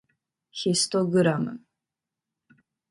ヒストグラム